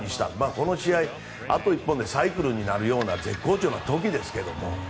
この試合、あと１本でサイクルになるような絶好調の時ですけれども。